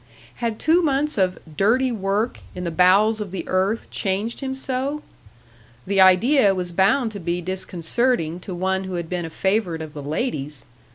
Had two months of "dirty work" in the bowels of the earth changed him so? The idea was bound to be disconcerting to one who had been a favourite of the ladies!